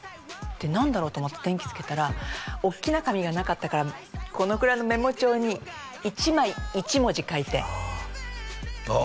何だろうと思って電気つけたらおっきな紙がなかったからこのくらいのメモ帳に１枚１文字書いてああああ